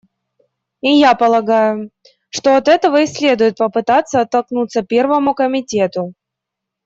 И я полагаю, что от этого и следует попытаться оттолкнуться Первому комитету.